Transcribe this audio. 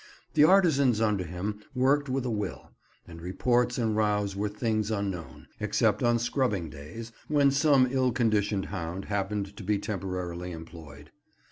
The artisans under him worked with a will, and reports and rows were things unknown, except on scrubbing days, when some ill conditioned hound happened to be temporarily employed.